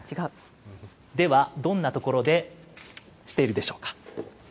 では、どんな所でしているでしょうか。